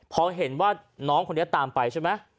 พอเห็นว่าน้องคนนี้ตามไปใช่ไหม